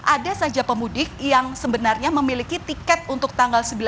ada saja pemudik yang sebenarnya memiliki tiket untuk tanggal sembilan